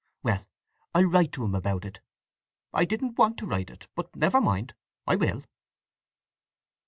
Well, I'll write to him about it. I didn't want to write it, but never mind—I will."